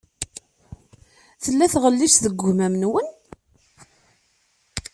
Tella tɣellist deg wegmam-nwen?